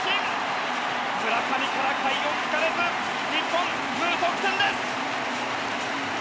村上から快音聞かれず日本無得点です！